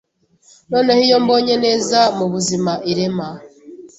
Noneho iyo mbonye neza mubuzima irema